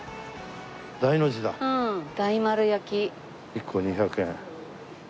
１個２００円。